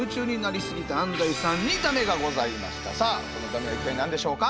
しかしさあこのだめは一体何でしょうか？